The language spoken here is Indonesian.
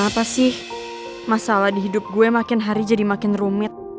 apa sih masalah di hidup gue makin hari jadi makin rumit